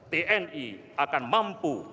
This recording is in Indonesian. tni akan mampu